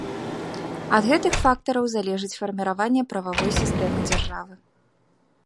Ад гэтых фактараў залежыць фарміраванне прававой сістэмы дзяржавы.